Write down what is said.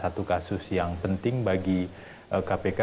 ini adalah satu kasus yang penting bagi kpk